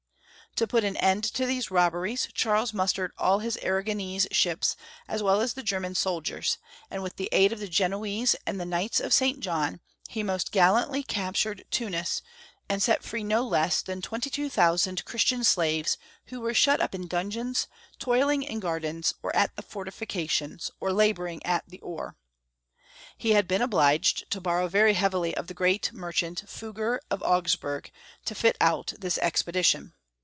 To put an end to these robberies, Charles mustered all his Aragonese ships as well as the German soldiers, and with the aid of the Genoese and the Knights of St. John, he most 288 Young FolkB* History of Germany. gallantly captured Tunis, and set free no less than 22,000 Christian slaves, who were shut up in dun geons, toiling in gardens, or at the fortifications, or laboring at the oar. He had been obliged to borrow very heavily of the great merchant, Fugger of Augsburg, to fit out this expedition.